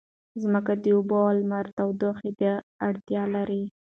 ځمکه د اوبو او لمر تودوخې ته اړتیا لري.